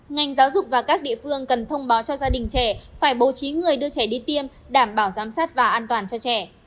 ngành giáo dục và các địa phương cần thông báo cho gia đình trẻ phải bố trí người đưa trẻ đi tiêm đảm bảo giám sát và an toàn cho trẻ